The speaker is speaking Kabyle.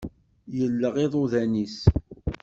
Yelleɣ iḍuḍan-is.